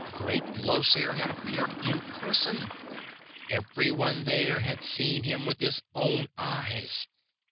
Great Llosir had appeared in person. Everyone there had seen him with his own eyes.